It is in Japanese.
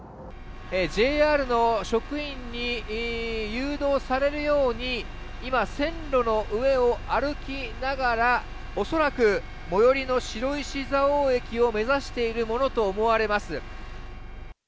ＪＲの職員に誘導されるように今、線路の上を歩きながら、おそらく最寄りの白石蔵王駅を目指しているものと思われます。